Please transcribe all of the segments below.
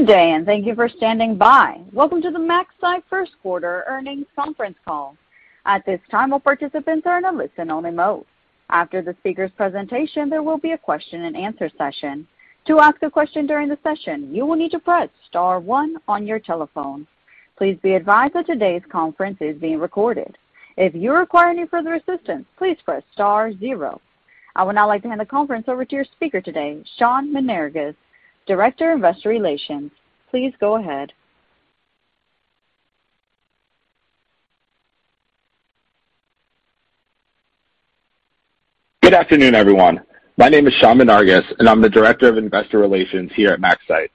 Good day, and thank you for standing by. Welcome to the MaxCyte Q1 earnings conference call. At this time, all participants are in a listen-only mode. After the speaker's presentation, there will be a question and answer session. To ask a question during the session, you will need to press star one on your telephone. Please be advised that today's conference is being recorded. If you require any further assistance, please press star zero. I would now like to hand the conference over to your speaker today, Sean Menarguez, Director of Investor Relations. Please go ahead. Good afternoon, everyone. My name is Sean Menarguez, and I'm the Director of Investor Relations here at MaxCyte.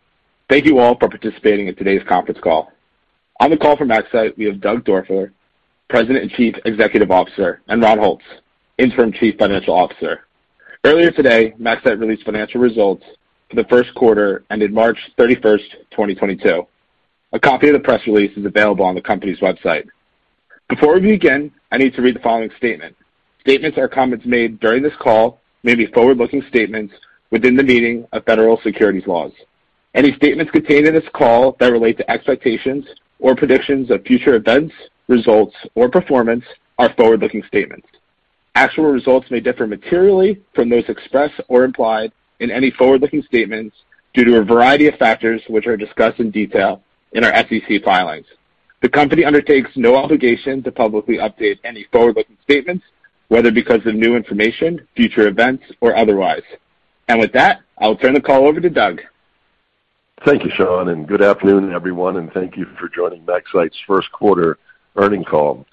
Thank you all for participating in today's conference call. On the call from MaxCyte, we have Doug Doerfler, President and Chief Executive Officer, and Ron Holtz, Interim Chief Financial Officer. Earlier today, MaxCyte released financial results for the Q1 ended March 31st, 2022. A copy of the press release is available on the company's website. Before we begin, I need to read the following statement. Statements or comments made during this call may be forward-looking statements within the meaning of federal securities laws. Any statements contained in this call that relate to expectations or predictions of future events, results, or performance are forward-looking statements. Actual results may differ materially from those expressed or implied in any forward-looking statements due to a variety of factors, which are discussed in detail in our SEC filings. The company undertakes no obligation to publicly update any forward-looking statements, whether because of new information, future events, or otherwise. With that, I'll turn the call over to Doug. Thank you, Sean, and good afternoon, everyone, and thank you for joining MaxCyte's Q1 earnings call.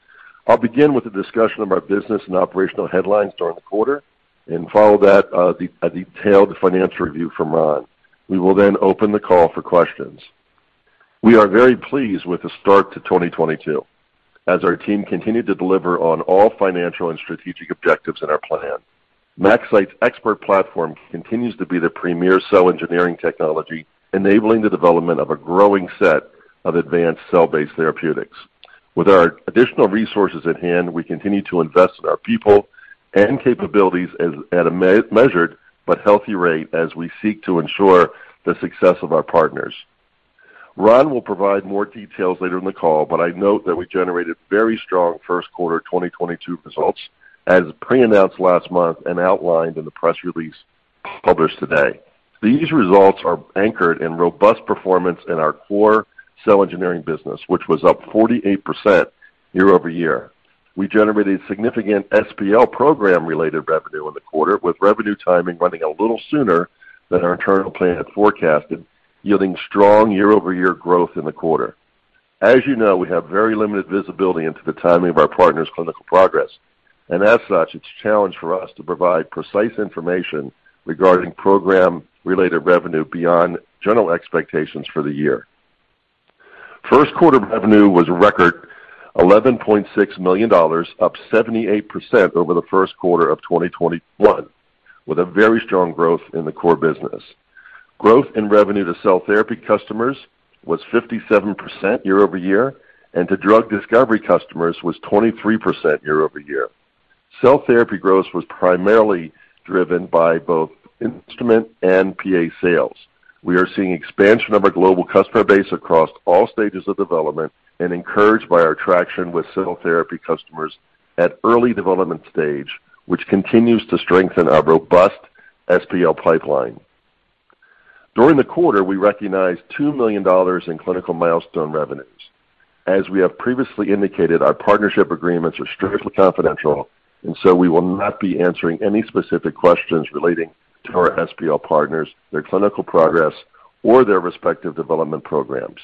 I'll begin with a discussion of our business and operational headlines during the quarter and follow that with a detailed financial review from Ron. We will then open the call for questions. We are very pleased with the start to 2022 as our team continued to deliver on all financial and strategic objectives in our plan. MaxCyte's ExPERT platform continues to be the premier cell engineering technology, enabling the development of a growing set of advanced cell-based therapeutics. With our additional resources at hand, we continue to invest in our people and capabilities at a measured but healthy rate as we seek to ensure the success of our partners. Ron will provide more details later in the call, but I'd note that we generated very strong Q1 2022 results as pre-announced last month and outlined in the press release published today. These results are anchored in robust performance in our core cell engineering business, which was up 48% year-over-year. We generated significant SPL program-related revenue in the quarter, with revenue timing running a little sooner than our internal plan had forecasted, yielding strong year-over-year growth in the quarter. As you know, we have very limited visibility into the timing of our partners' clinical progress, and as such, it's a challenge for us to provide precise information regarding program-related revenue beyond general expectations for the year. Q1 revenue was a record $11.6 million, up 78% over the Q1 of 2021, with a very strong growth in the core business. Growth in revenue to cell therapy customers was 57% year-over-year, and to drug discovery customers was 23% year-over-year. Cell therapy growth was primarily driven by both instrument and PA sales. We are seeing expansion of our global customer base across all stages of development and encouraged by our traction with cell therapy customers at early development stage, which continues to strengthen our robust SPL pipeline. During the quarter, we recognized $2 million in clinical milestone revenues. As we have previously indicated, our partnership agreements are strictly confidential, and so we will not be answering any specific questions relating to our SPL partners, their clinical progress, or their respective development programs.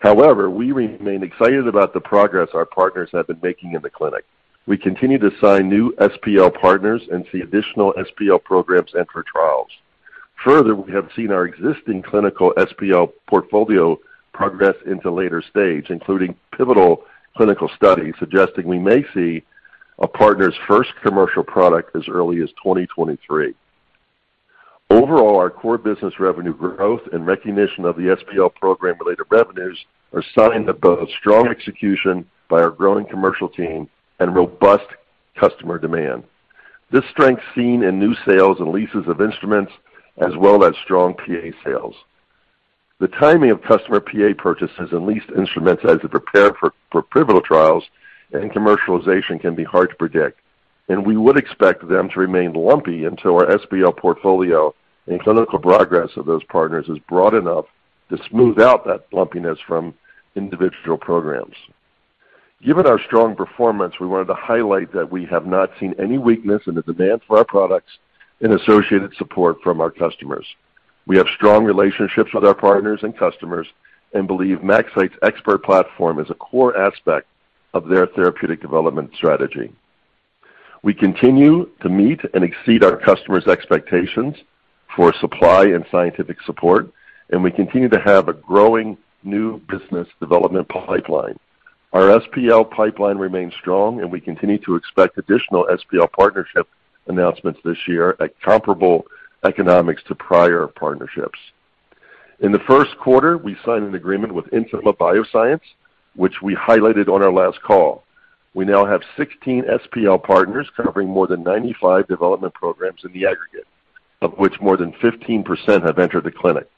However, we remain excited about the progress our partners have been making in the clinic. We continue to sign new SPL partners and see additional SPL programs enter trials. Further, we have seen our existing clinical SPL portfolio progress into later stage, including pivotal clinical studies suggesting we may see a partner's first commercial product as early as 2023. Overall, our core business revenue growth and recognition of the SPL program-related revenues are signs of strong execution by our growing commercial team and robust customer demand. This strength seen in new sales and leases of instruments as well as strong PA sales. The timing of customer PA purchases and leased instruments as they prepare for pivotal trials and commercialization can be hard to predict, and we would expect them to remain lumpy until our SPL portfolio and clinical progress of those partners is broad enough to smooth out that lumpiness from individual programs. Given our strong performance, we wanted to highlight that we have not seen any weakness in the demand for our products and associated support from our customers. We have strong relationships with our partners and customers and believe MaxCyte's ExPERT platform is a core aspect of their therapeutic development strategy. We continue to meet and exceed our customers' expectations for supply and scientific support, and we continue to have a growing new business development pipeline. Our SPL pipeline remains strong, and we continue to expect additional SPL partnership announcements this year at comparable economics to prior partnerships. In the Q1, we signed an agreement with Intima Bioscience, which we highlighted on our last call. We now have 16 SPL partners covering more than 95 development programs in the aggregate, of which more than 15% have entered the clinic.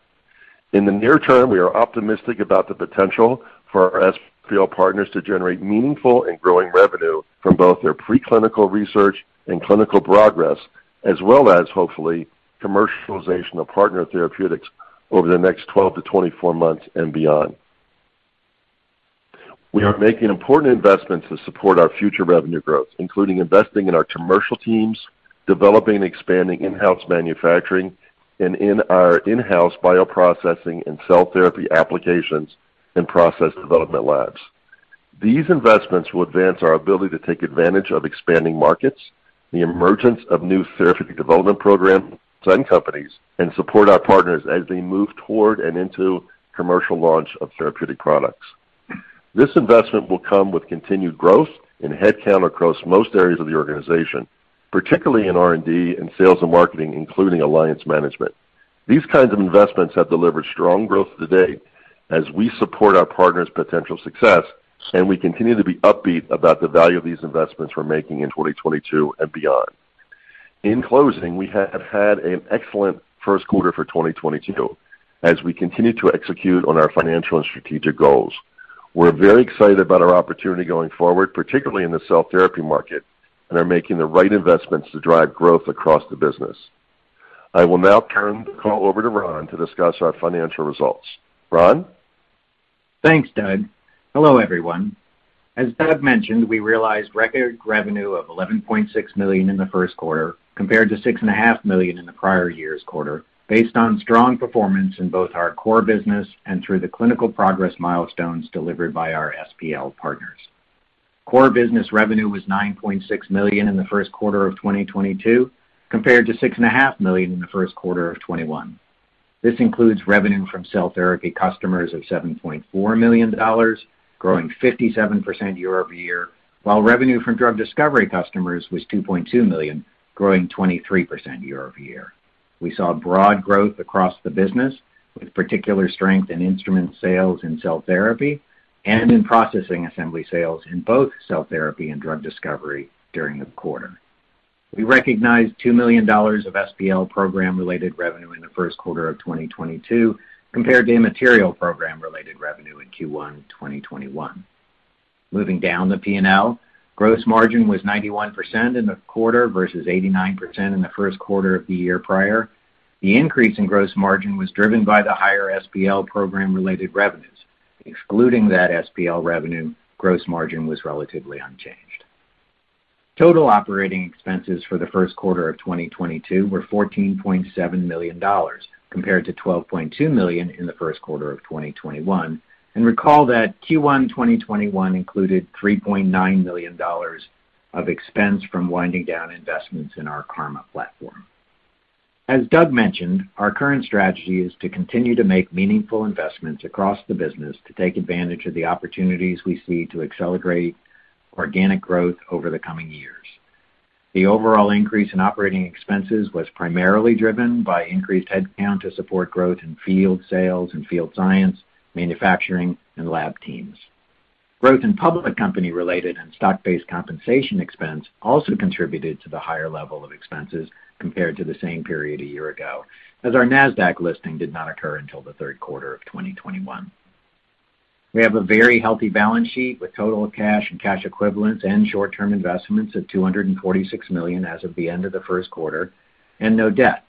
In the near term, we are optimistic about the potential for our SPL partners to generate meaningful and growing revenue from both their pre-clinical research and clinical progress, as well as hopefully commercialization of partner therapeutics over the next 12-24 months and beyond. We are making important investments to support our future revenue growth, including investing in our commercial teams, developing and expanding in-house manufacturing, and in our in-house bioprocessing and cell therapy applications and process development labs. These investments will advance our ability to take advantage of expanding markets, the emergence of new therapeutic development programs and companies, and support our partners as they move toward and into commercial launch of therapeutic products. This investment will come with continued growth in headcount across most areas of the organization, particularly in R&D and sales and marketing, including alliance management. These kinds of investments have delivered strong growth to date as we support our partners' potential success, and we continue to be upbeat about the value of these investments we're making in 2022 and beyond. In closing, we have had an excellent Q1 for 2022 as we continue to execute on our financial and strategic goals. We're very excited about our opportunity going forward, particularly in the cell therapy market, and are making the right investments to drive growth across the business. I will now turn the call over to Ron to discuss our financial results. Ron? Thanks, Doug. Hello, everyone. As Doug mentioned, we realized record revenue of $11.6 million in the Q1 compared to 6 and a half million in the prior year's quarter, based on strong performance in both our core business and through the clinical progress milestones delivered by our SPL partners. Core business revenue was $9.6 million in the Q1 of 2022, compared to 6 and a half million in the Q1 of 2021. This includes revenue from cell therapy customers of $7.4 million, growing 57% year-over-year, while revenue from drug discovery customers was $2.2 million, growing 23% year-over-year. We saw broad growth across the business, with particular strength in instrument sales in cell therapy and in processing assemblies sales in both cell therapy and drug discovery during the quarter. We recognized $2 million of SPL program-related revenue in the Q1 of 2022, compared to immaterial program-related revenue in Q1 2021. Moving down the P&L, gross margin was 91% in the quarter versus 89% in the Q1 of the year prior. The increase in gross margin was driven by the higher SPL program-related revenues. Excluding that SPL revenue, gross margin was relatively unchanged. Total operating expenses for the Q1 of 2022 were $14.7 million, compared to $12.2 million in the Q1 of 2021. Recall that Q1 2021 included $3.9 million of expense from winding down investments in our CARMA platform. As Doug mentioned, our current strategy is to continue to make meaningful investments across the business to take advantage of the opportunities we see to accelerate organic growth over the coming years. The overall increase in operating expenses was primarily driven by increased headcount to support growth in field sales and field science, manufacturing, and lab teams. Growth in public company-related and stock-based compensation expense also contributed to the higher level of expenses compared to the same period a year ago, as our Nasdaq listing did not occur until the Q3 of 2021. We have a very healthy balance sheet with total cash and cash equivalents and short-term investments of $246 million as of the end of the Q1 and no debt.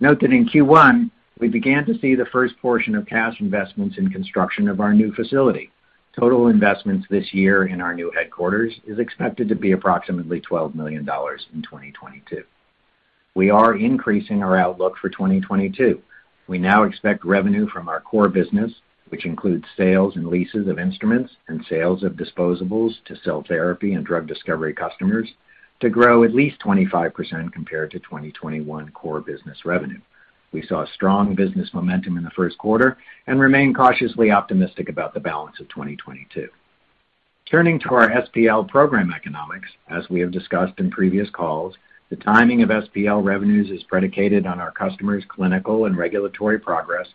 Note that in Q1, we began to see the first portion of cash investments in construction of our new facility. Total investments this year in our new headquarters is expected to be approximately $12 million in 2022. We are increasing our outlook for 2022. We now expect revenue from our core business, which includes sales and leases of instruments and sales of disposables to cell therapy and drug discovery customers to grow at least 25% compared to 2021 core business revenue. We saw strong business momentum in the Q1 and remain cautiously optimistic about the balance of 2022. Turning to our SPL program economics, as we have discussed in previous calls, the timing of SPL revenues is predicated on our customers' clinical and regulatory progress,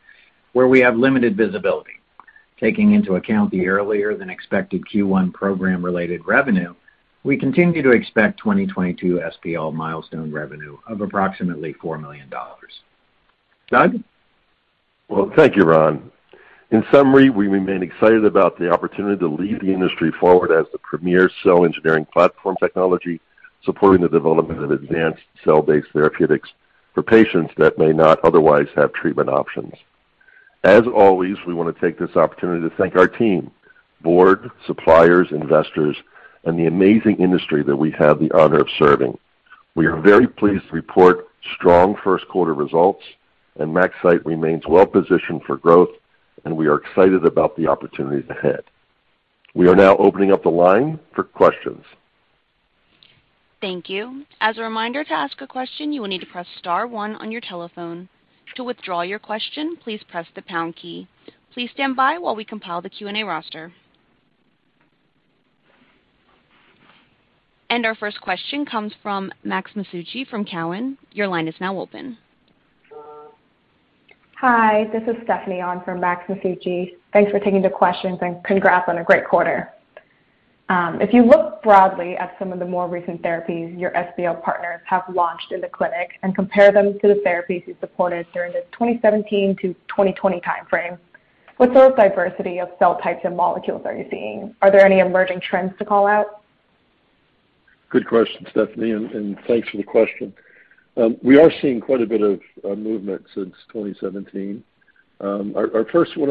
where we have limited visibility. Taking into account the earlier than expected Q1 program-related revenue, we continue to expect 2022 SPL milestone revenue of approximately $4 million. Doug? Well, thank you, Ron. In summary, we remain excited about the opportunity to lead the industry forward as the premier cell engineering platform technology, supporting the development of advanced cell-based therapeutics for patients that may not otherwise have treatment options. As always, we want to take this opportunity to thank our team, board, suppliers, investors, and the amazing industry that we have the honor of serving. We are very pleased to report strong Q1 results, and MaxCyte remains well positioned for growth, and we are excited about the opportunities ahead. We are now opening up the line for questions. Thank you. As a reminder, to ask a question, you will need to press star one on your telephone. To withdraw your question, please press the pound key. Please stand by while we compile the Q&A roster. Our first question comes from Max Masucci from Cowen. Your line is now open. Hi, this is Stephanie On from Max Masucci. Thanks for taking the questions, and congrats on a great quarter. If you look broadly at some of the more recent therapies your SPL partners have launched in the clinic and compare them to the therapies you supported during the 2017 to 2020 timeframe, what sort of diversity of cell types and molecules are you seeing? Are there any emerging trends to call out? Good question, Stephanie, and thanks for the question. We are seeing quite a bit of movement since 2017. One of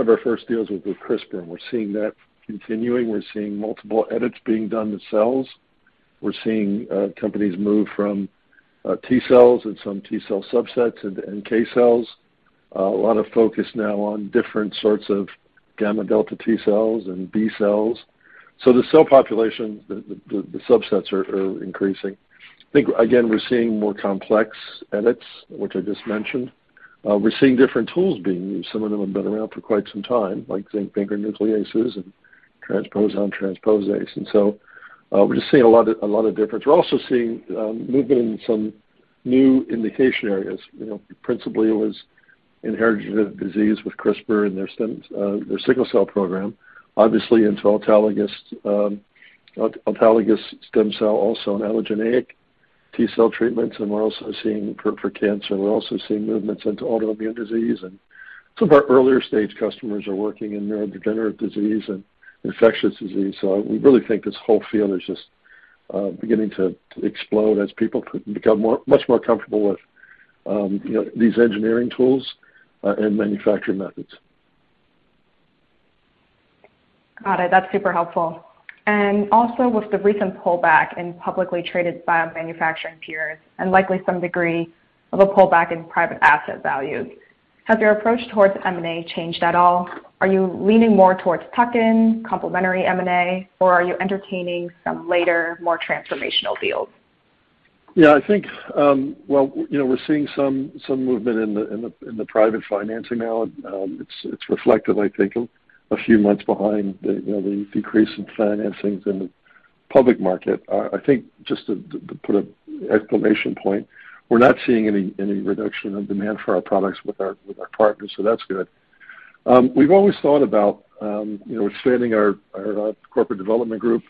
our first deals was with CRISPR, and we're seeing that continuing. We're seeing multiple edits being done to cells. We're seeing companies move from T cells and some T cell subsets and NK cells. A lot of focus now on different sorts of gamma delta T cells and B cells. The cell population, the subsets are increasing. I think, again, we're seeing more complex edits, which I just mentioned. We're seeing different tools being used. Some of them have been around for quite some time, like zinc finger nucleases and transposon transposase. We're just seeing a lot of difference. We're also seeing movement in some new indication areas. You know, principally it was inherited disease with CRISPR and their stem, their sickle cell program, obviously into autologous stem cell also and allogeneic T cell treatments. We're also seeing for cancer. We're also seeing movements into autoimmune disease. Some of our earlier stage customers are working in neurodegenerative disease and infectious disease. We really think this whole field is just beginning to explode as people become much more comfortable with you know these engineering tools and manufacturing methods. Got it. That's super helpful. Also with the recent pullback in publicly traded bio manufacturing peers and likely some degree of a pullback in private asset values, has your approach towards M&A changed at all? Are you leaning more towards tuck-in complementary M&A, or are you entertaining some later more transformational deals? Yeah, I think, well, you know, we're seeing some movement in the private financing now. It's reflective, I think, a few months behind the, you know, the decrease in financings in the public market. I think just to put an exclamation point, we're not seeing any reduction of demand for our products with our partners, so that's good. We've always thought about, you know, expanding our corporate development group.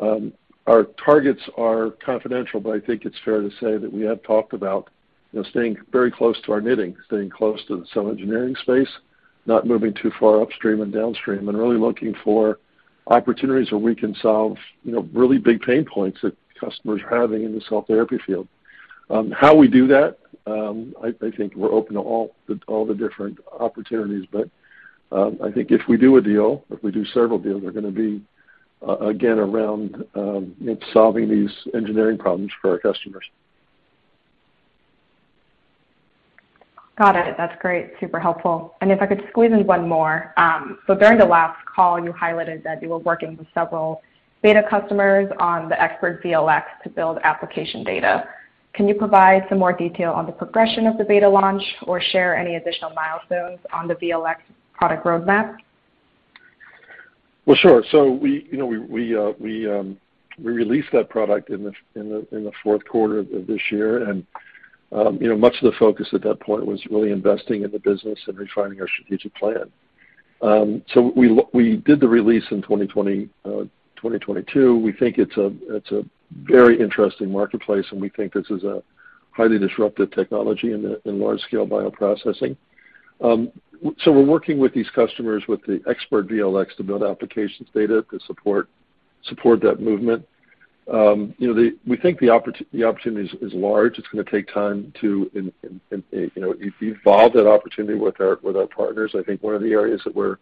Our targets are confidential, but I think it's fair to say that we have talked about, you know, staying very close to our knitting, staying close to the cell engineering space, not moving too far upstream and downstream, and really looking for opportunities where we can solve, you know, really big pain points that customers are having in the cell therapy field. How we do that, I think we're open to all the different opportunities. I think if we do a deal, if we do several deals, they're gonna be again around, you know, solving these engineering problems for our customers. Got it. That's great. Super helpful. If I could squeeze in one more. During the last call you highlighted that you were working with several beta customers on the ExPERT VLx to build application data. Can you provide some more detail on the progression of the beta launch or share any additional milestones on the VLx product roadmap? Sure. You know, we released that product in the Q4 of this year. You know, much of the focus at that point was really investing in the business and refining our strategic plan. We did the release in 2022. We think it's a very interesting marketplace, and we think this is a highly disruptive technology in large scale bioprocessing. We're working with these customers with the ExPERT VLx to build applications data to support that movement. You know, we think the opportunity is large. It's gonna take time to, you know, evolve that opportunity with our partners. I think one of the areas that we're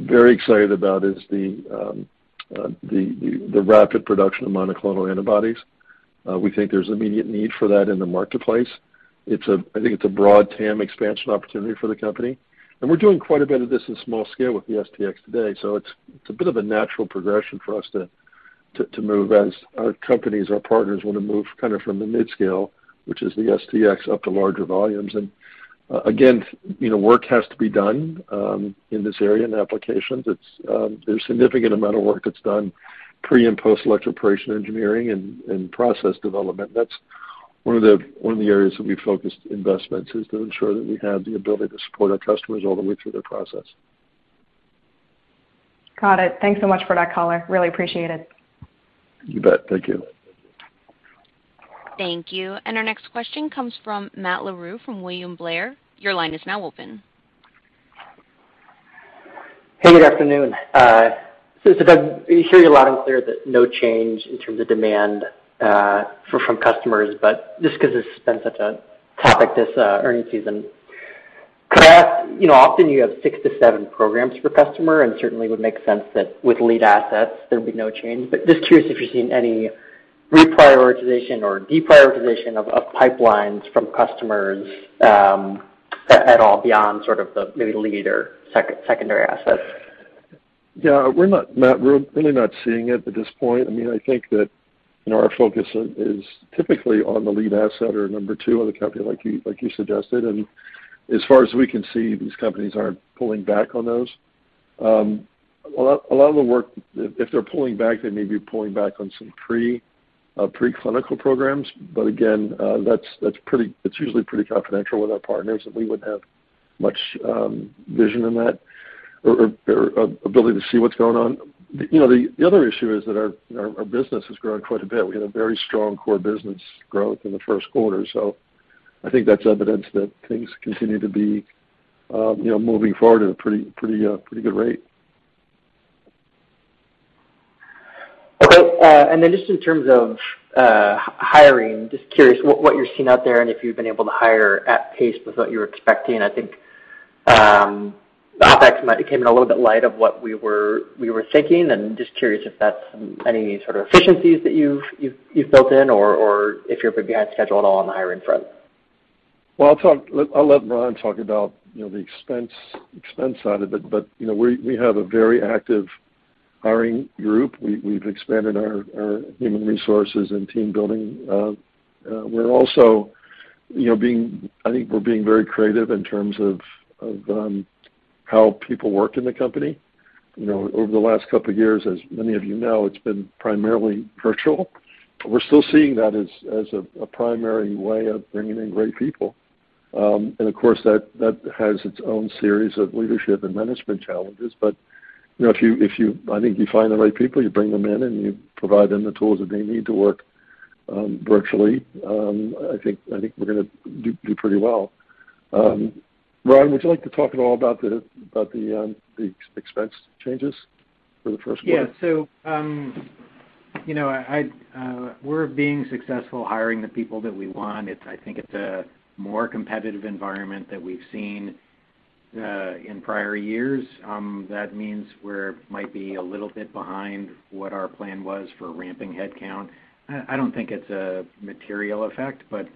very excited about is the rapid production of monoclonal antibodies. We think there's immediate need for that in the marketplace. It's a broad TAM expansion opportunity for the company. We're doing quite a bit of this in small scale with the STX today. It's a bit of a natural progression for us to move as our companies, our partners want to move kind of from the mid-scale, which is the STX, up to larger volumes. Again, you know, work has to be done in this area in applications. There's significant amount of work that's done pre and post electroporation engineering and process development. That's one of the areas that we focused investments on is to ensure that we have the ability to support our customers all the way through their process. Got it. Thanks so much for that color. Really appreciate it. You bet. Thank you. Thank you. Our next question comes from Matt LaRue from William Blair. Your line is now open. Hey, good afternoon. Doug, we hear you loud and clear that no change in terms of demand from customers, but just 'cause it's been such a topic this earnings season. Could I ask, you know, often you have six to seven programs per customer, and certainly would make sense that with lead assets there'd be no change. Just curious if you're seeing any reprioritization or deprioritization of pipelines from customers at all beyond sort of the maybe lead or secondary assets. Yeah. We're not, Matt, we're really not seeing it at this point. I mean, I think that, you know, our focus is typically on the lead asset or number two on the company like you suggested. As far as we can see, these companies aren't pulling back on those. A lot of the work, if they're pulling back, they may be pulling back on some preclinical programs. But again, that's usually pretty confidential with our partners, and we wouldn't have much vision in that or ability to see what's going on. You know, the other issue is that our business has grown quite a bit. We had a very strong core business growth in the Q1. I think that's evidence that things continue to be, you know, moving forward at a pretty good rate. Okay. Then just in terms of hiring, just curious what you're seeing out there and if you've been able to hire at pace with what you were expecting. I think OpEx might have came in a little bit light of what we were thinking, and just curious if that's any sort of efficiencies that you've built in or if you're a bit behind schedule at all on the hiring front. Well, I'll let Ron talk about, you know, the expense side of it. You know, we have a very active hiring group. We've expanded our human resources and team building. We're also, you know, I think we're being very creative in terms of how people work in the company. You know, over the last couple of years, as many of you know, it's been primarily virtual. We're still seeing that as a primary way of bringing in great people. Of course, that has its own series of leadership and management challenges. You know, I think you find the right people, you bring them in, and you provide them the tools that they need to work virtually. I think we're gonna do pretty well. Ron, would you like to talk at all about the expense changes for the Q1? Yeah. You know, we're being successful hiring the people that we want. I think it's a more competitive environment that we've seen in prior years. That means we might be a little bit behind what our plan was for ramping headcount. I don't think it's a material effect, but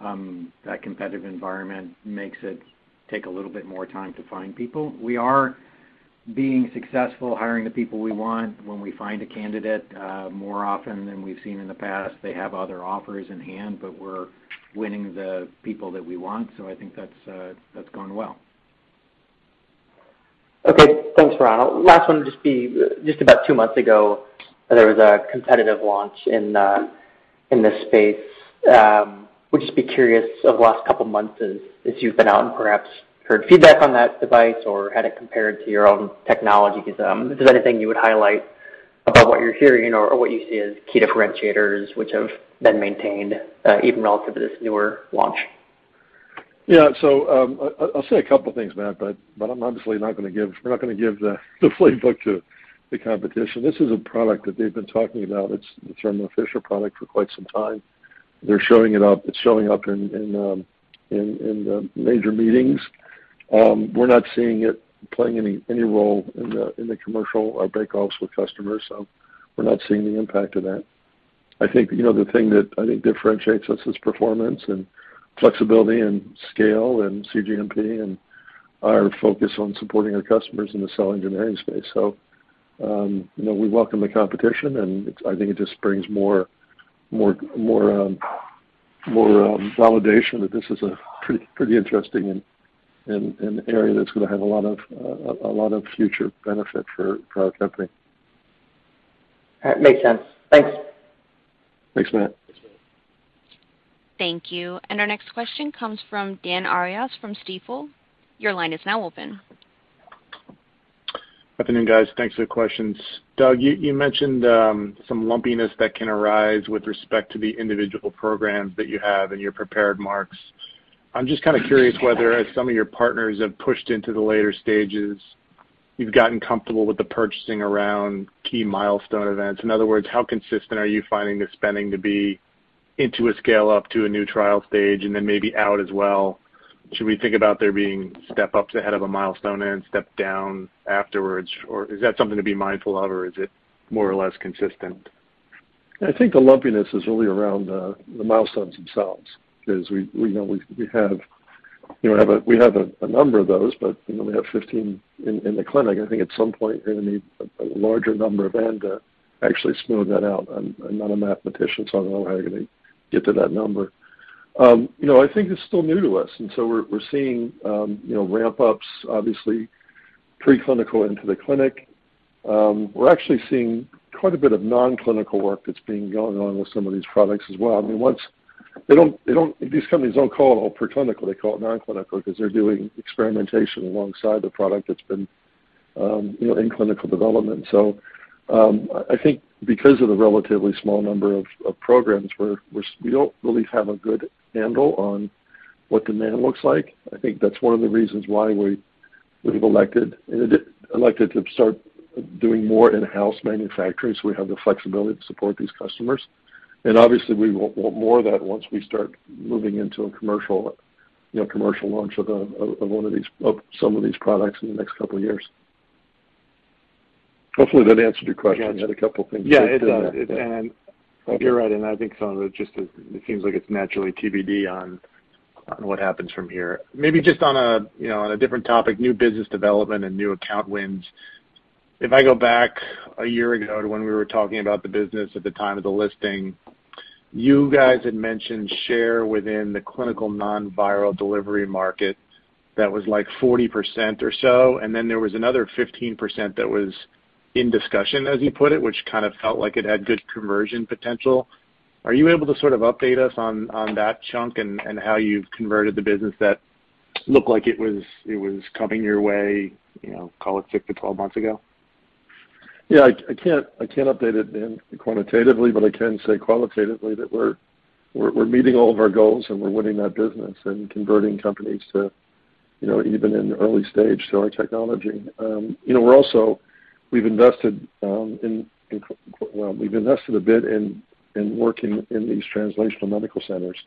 that competitive environment makes it take a little bit more time to find people. We are being successful hiring the people we want. When we find a candidate, more often than we've seen in the past, they have other offers in hand, but we're winning the people that we want. I think that's going well. Okay. Thanks, Ron. Last one will just be about two months ago, there was a competitive launch in this space. Would just be curious over the last couple months as you've been out and perhaps heard feedback on that device or had it compared to your own technology. If there's anything you would highlight about what you're hearing or what you see as key differentiators which have been maintained even relative to this newer launch. Yeah. I'll say a couple things, Matt, but we're not gonna give the playbook to the competition. This is a product that they've been talking about. It's an official product for quite some time. They're showing it up. It's showing up in the major meetings. We're not seeing it playing any role in the commercial or break-offs with customers. We're not seeing the impact of that. I think, you know, the thing that I think differentiates us is performance and flexibility and scale and cGMP and our focus on supporting our customers in the cell engineering space. You know, we welcome the competition, and it's. I think it just brings more validation that this is a pretty interesting area that's gonna have a lot of future benefit for our company. All right. Makes sense. Thanks. Thanks, Matt. Thanks, Matt. Thank you. Our next question comes from Dan Arias from Stifel. Your line is now open. Good afternoon, guys. Thanks for the questions. Doug, you mentioned some lumpiness that can arise with respect to the individual programs that you have in your prepared remarks. I'm just kinda curious whether as some of your partners have pushed into the later stages, you've gotten comfortable with the purchasing around key milestone events. In other words, how consistent are you finding the spending to be into a scale-up to a new trial stage and then maybe out as well? Should we think about there being step-ups ahead of a milestone and step down afterwards? Or is that something to be mindful of, or is it more or less consistent? I think the lumpiness is really around the milestones themselves because we know we have you know we have a number of those, but you know we have 15 in the clinic. I think at some point, you're gonna need a larger number of INDs to actually smooth that out. I'm not a mathematician, so I don't know how you're gonna get to that number. You know, I think it's still new to us, and so we're seeing you know ramp-ups, obviously preclinical into the clinic. We're actually seeing quite a bit of non-clinical work that's going on with some of these products as well. I mean, these companies don't call it all pre-clinical. They call it non-clinical because they're doing experimentation alongside the product that's been in clinical development. I think because of the relatively small number of programs, we don't really have a good handle on what demand looks like. I think that's one of the reasons why we've elected to start doing more in-house manufacturing, so we have the flexibility to support these customers. Obviously, we want more of that once we start moving into a commercial launch of some of these products in the next couple of years. Hopefully, that answered your question. Yeah. You had a couple things. Yeah, it does. In there. You're right. I think some of it just is it seems like it's naturally TBD on what happens from here. Maybe just on a, you know, on a different topic, new business development and new account wins. If I go back a year ago to when we were talking about the business at the time of the listing. You guys had mentioned share within the clinical non-viral delivery market that was like 40% or so, and then there was another 15% that was in discussion as you put it, which kind of felt like it had good conversion potential. Are you able to sort of update us on that chunk and how you've converted the business that looked like it was coming your way, you know, call it six-12 months ago? I can't update it quantitatively, but I can say qualitatively that we're meeting all of our goals, and we're winning that business and converting companies to, you know, even in early stage to our technology. You know, we've also invested a bit in working in these translational medical centers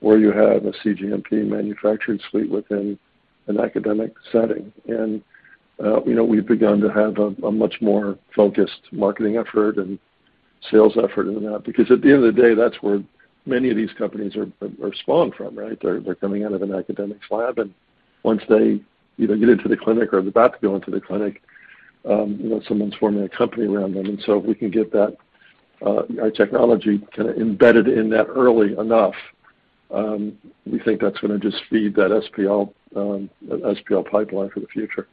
where you have a cGMP manufacturing suite within an academic setting. You know, we've begun to have a much more focused marketing effort and sales effort in that because at the end of the day, that's where many of these companies are spawned from, right? They're coming out of an academic lab. Once they either get into the clinic or are about to go into the clinic, you know, someone's forming a company around them. If we can get that, our technology kinda embedded in that early enough, we think that's gonna just feed that SPL pipeline for the future.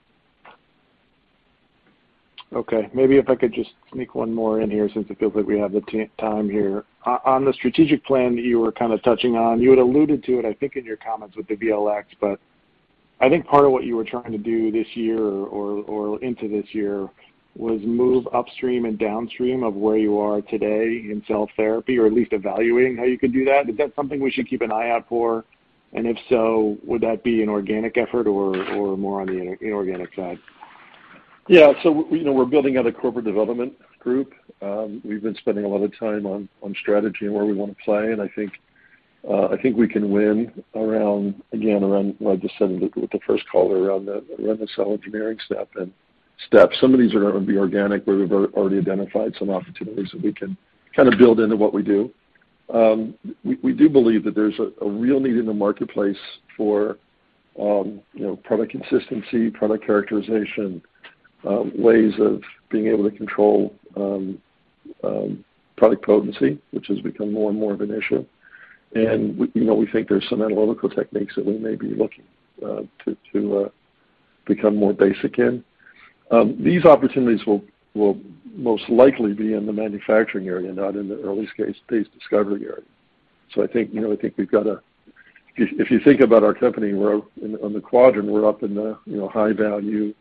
Okay. Maybe if I could just sneak one more in here since it feels like we have the time here. On the strategic plan that you were kind of touching on, you had alluded to it, I think, in your comments with the VLX, but I think part of what you were trying to do this year or into this year was move upstream and downstream of where you are today in cell therapy or at least evaluating how you could do that. Is that something we should keep an eye out for? And if so, would that be an organic effort or more on the inorganic side? We're building out a corporate development group. We've been spending a lot of time on strategy and where we wanna play, and I think we can win around, again, around what I just said with the first caller around the cell engineering step and steps. Some of these are gonna be organic, where we've already identified some opportunities that we can kind of build into what we do. We do believe that there's a real need in the marketplace for, you know, product consistency, product characterization, ways of being able to control product potency, which has become more and more of an issue. We, you know, think there's some analytical techniques that we may be looking to become more basic in. These opportunities will most likely be in the manufacturing area, not in the early-stage discovery area. I think, you know, I think we've got a. If you think about our company, we're on the quadrant, we're up in the, you know, high value,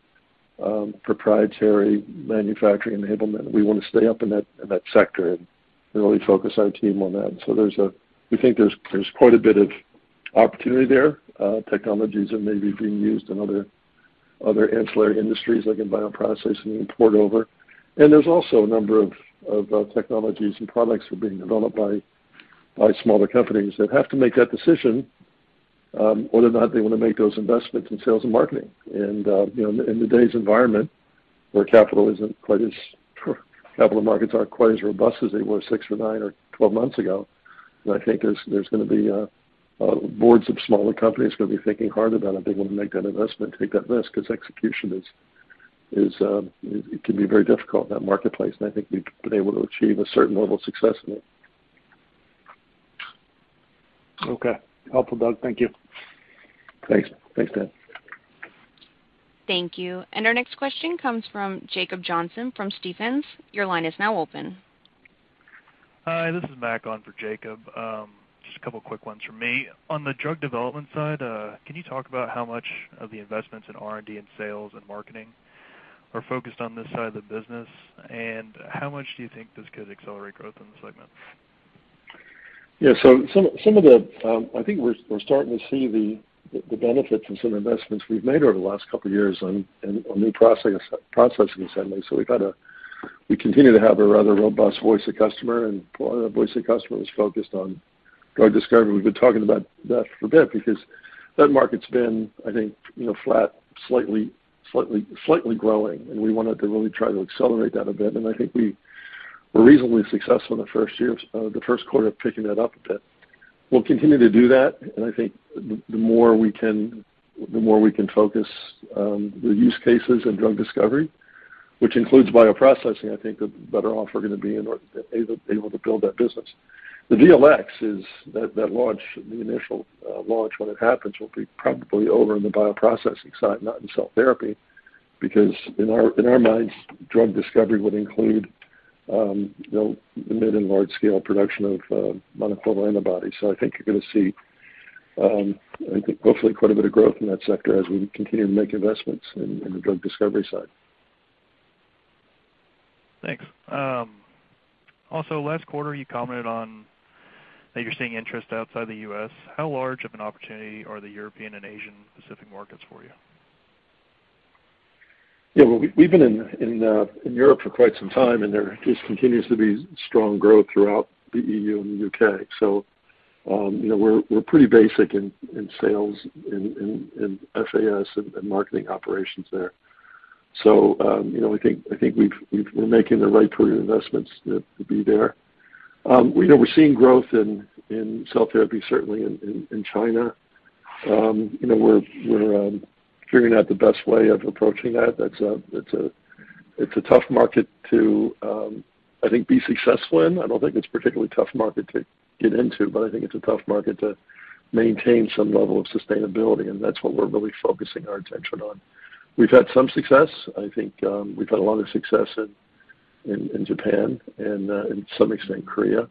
proprietary manufacturing enablement. We wanna stay up in that sector and really focus our team on that. We think there's quite a bit of opportunity there. Technologies that may be being used in other ancillary industries like in bioprocessing and import over. There's also a number of technologies and products that are being developed by smaller companies that have to make that decision, whether or not they wanna make those investments in sales and marketing. You know, in today's environment where capital isn't quite as... Capital markets aren't quite as robust as they were six or nine or 12 months ago, and I think there's gonna be boards of smaller companies gonna be thinking hard about are they willing to make that investment, take that risk? 'Cause execution is, it can be very difficult in that marketplace, and I think we've been able to achieve a certain level of success in it. Okay. Helpful, Doug. Thank you. Thanks. Thanks, Dan. Thank you. Our next question comes from Jacob Johnson from Stephens. Your line is now open. Hi, this is Mac on for Jacob. Just a couple quick ones from me. On the drug development side, can you talk about how much of the investments in R&D and sales and marketing are focused on this side of the business, and how much do you think this could accelerate growth in the segment? Yeah. Some of the, I think we're starting to see the benefits of some investments we've made over the last couple years on new processing assemblies. We continue to have a rather robust voice of customer, and part of the voice of customer is focused on drug discovery. We've been talking about that for a bit because that market's been, I think, you know, flat, slightly growing, and we wanted to really try to accelerate that a bit. I think we were reasonably successful in the first year, the Q1 of picking that up a bit. We'll continue to do that, and I think the more we can focus the use cases in drug discovery, which includes bioprocessing. I think the better off we're gonna be in order to be able to build that business. The VLx is that launch, the initial launch when it happens will be probably over in the bioprocessing side, not in cell therapy. Because in our minds, drug discovery would include, you know, the mid and large scale production of monoclonal antibodies. I think you're gonna see, I think hopefully quite a bit of growth in that sector as we continue to make investments in the drug discovery side. Thanks. Also last quarter, you commented on that you're seeing interest outside the U.S. How large of an opportunity are the European and Asia-Pacific markets for you? Yeah. Well, we've been in Europe for quite some time, and there just continues to be strong growth throughout the EU and the U.K. You know, we're pretty basic in sales, in FAS and marketing operations there. You know, I think we're making the right sort of investments to be there. We know we're seeing growth in cell therapy, certainly in China. You know, we're figuring out the best way of approaching that. It's a tough market to, I think, be successful in. I don't think it's particularly tough market to get into, but I think it's a tough market to maintain some level of sustainability, and that's what we're really focusing our attention on. We've had some success. I think we've had a lot of success in Japan and to some extent Korea.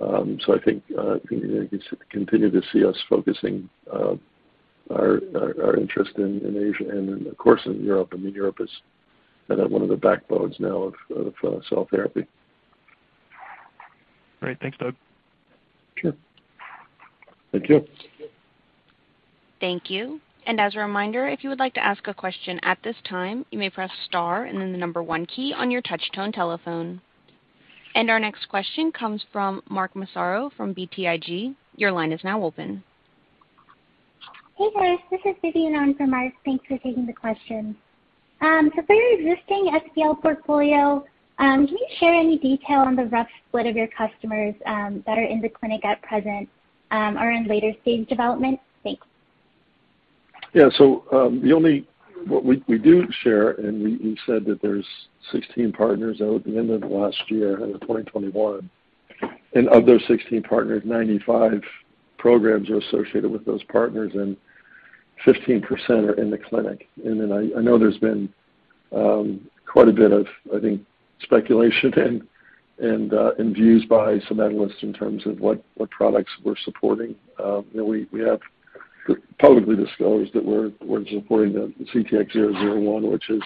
I think you continue to see us focusing our interest in Asia and, of course, in Europe. I mean, Europe is kind of one of the backbones now of cell therapy. Great. Thanks, Doug. Sure. Thank you. Thank you. As a reminder, if you would like to ask a question at this time, you may press star and then the number one key on your touch tone telephone. Our next question comes from Mark Massaro from BTIG. Your line is now open. Hey, guys. This is Vivian from Mark. Thanks for taking the question. For your existing SPL portfolio, can you share any detail on the rough split of your customers, that are in the clinic at present, or in later stage development? Thanks. Yeah. What we do share, and we said that there's 16 partners at the end of last year, 2021, and of those 16 partners, 95 programs are associated with those partners, and 15% are in the clinic. I know there's been quite a bit of, I think, speculation and views by some analysts in terms of what products we're supporting. You know, we have publicly disclosed that we're supporting the CTX001, which is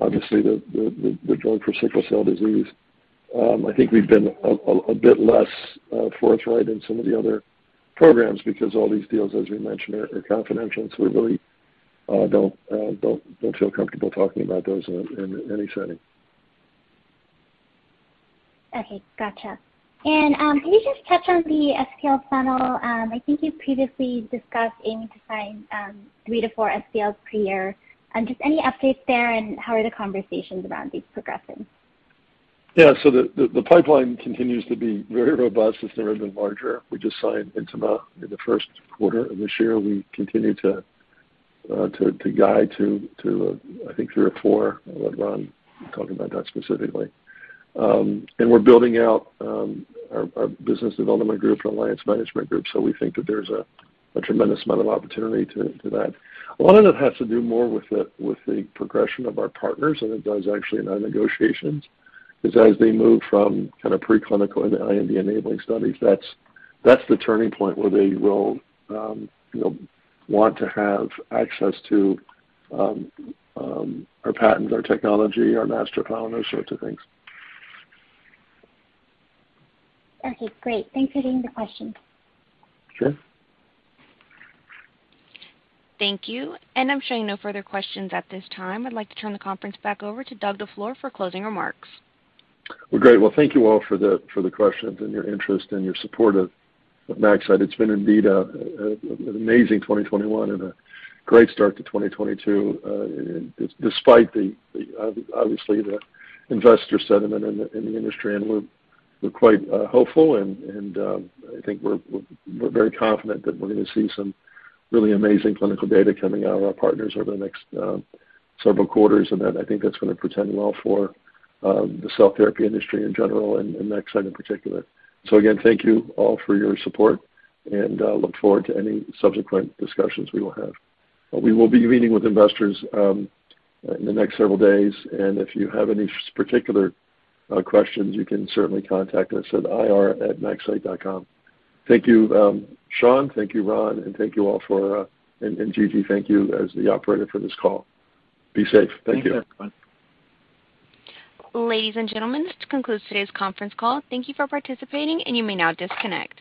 obviously the drug for sickle cell disease. I think we've been a bit less forthright in some of the other programs because all these deals, as we mentioned, are confidential, so we really don't feel comfortable talking about those in any setting. Okay. Gotcha. Can you just touch on the SPL funnel? I think you previously discussed aiming to sign 3-4 SPLs per year. Just any updates there, and how are the conversations around these progressing? Yeah. The pipeline continues to be very robust. It's never been larger. We just signed Intima Bioscience in the Q1 of this year. We continue to guide to, I think three or four. I'll let Ron talk about that specifically. We're building out our business development group and alliance management group, so we think that there's a tremendous amount of opportunity to that. A lot of it has to do more with the progression of our partners than it does actually in our negotiations 'cause as they move from kind of pre-clinical into IND-enabling studies, that's the turning point where they will, you know, want to have access to our patents, our technology, our master files sorts of things. Okay, great. Thanks for taking the question. Sure. Thank you. I'm showing no further questions at this time. I'd like to turn the conference back over to Doug Doerfler for closing remarks. Well, great. Well, thank you all for the questions and your interest and your support of MaxCyte. It's been indeed an amazing 2021 and a great start to 2022, despite the obvious investor sentiment in the industry, and we're quite hopeful and I think we're very confident that we're gonna see some really amazing clinical data coming out of our partners over the next several quarters, and that I think that's gonna portend well for the cell therapy industry in general and MaxCyte in particular. Again, thank you all for your support, and look forward to any subsequent discussions we will have. We will be meeting with investors in the next several days, and if you have any particular questions, you can certainly contact us at IR@maxcyte.com. Thank you, Sean, thank you, Ron, and thank you all for, and Gigi, thank you as the operator for this call. Be safe. Thank you. Thanks, everyone. Bye. Ladies and gentlemen, this concludes today's conference call. Thank you for participating, and you may now disconnect.